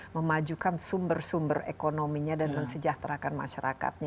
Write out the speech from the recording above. memajukan sumber sumber ekonominya dan mensejahterakan masyarakatnya